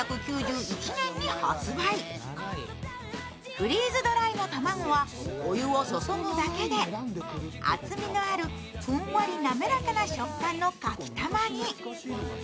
フリーズドライの卵はお湯を注ぐだけで厚みのあるふんわり滑らかな食感のかきたまに。